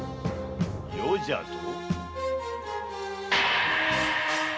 「余」じゃと？